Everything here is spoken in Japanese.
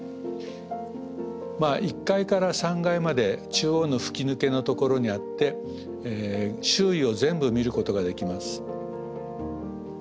１階から３階まで中央の吹き抜けのところにあって周囲を全部見ることができます。